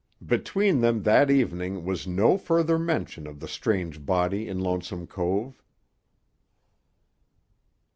Between them that evening was no further mention of the strange body in Lonesome Cove.